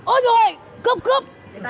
ôi dồi ôi cướp cướp